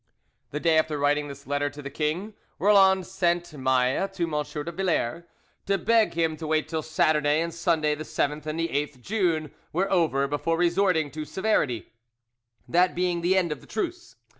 The day after writing this letter to the king, Roland sent Maille to M. de Villars to beg him to wait till Saturday and Sunday the 7th and the 8th June were over, before resorting to severity, that being the end of the truce.